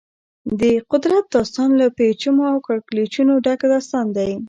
د قدرت داستان له پېچومو او کږلېچونو ډک داستان دی.